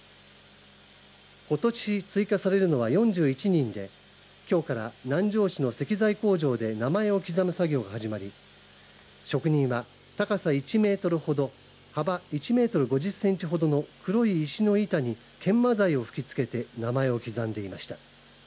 ことし追加されるのは４１人できょうから南城市の石材工場で名前を刻む作業が始まり職人は、高さ１メートルほど幅１メートル５０センチほどの黒い石の板に研磨剤を吹きつけて名前を刻んでいました。